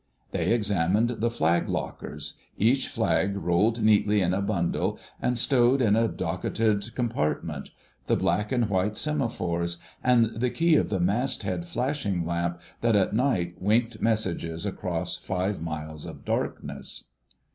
They examined the flag lockers—each flag rolled neatly in a bundle and stowed in a docketed compartment—the black and white semaphores, and the key of the mast head flashing lamp that at night winked messages across five miles of darkness.